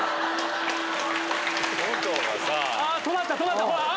止まった止まった！